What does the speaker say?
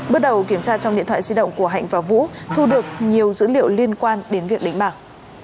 bước đầu kiểm tra trong điện thoại di động của hạnh và vũ thu được nhiều dữ liệu liên quan đến việc đánh bạc